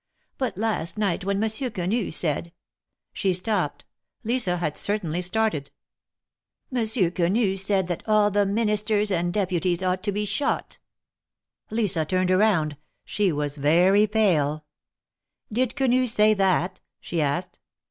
But last night when Monsieur Quenu said —" She stopped. Lisa had certainly started. "Monsieur Quenu said that all the Ministers and Deputies ought to be shot!" 176 THE MAEKETS OF PAEIS. Lisa turned around : she was very pale, ^^Did Quenu say that?'' she asked.